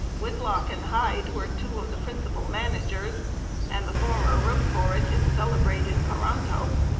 Whitelocke and Hyde were two of the principal managers, and the former wrote for it his celebrated 'Coranto.